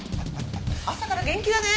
朝から元気だね。